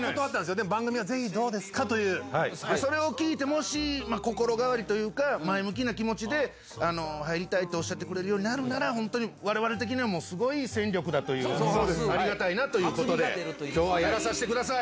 でも番組がぜひどうですかという、それを聞いて、もし心変わりというか、前向きな気持ちで、入りたいとおっしゃってくれるようになるなら、本当に、われわれ的にはもうすごい戦力だという、ありがたいなってことで、きょうはやらさせてください。